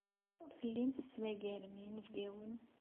Ur tellim tettmagarem inebgawen.